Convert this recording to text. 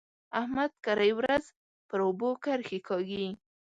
احمد کرۍ ورځ پر اوبو کرښې کاږي.